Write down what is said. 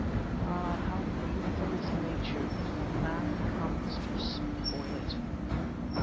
Ah, how beautiful is nature before man comes to spoil it!